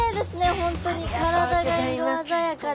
本当に体が色鮮やかで。